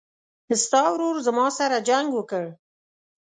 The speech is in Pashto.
ستا ورور زما سره جنګ وکړ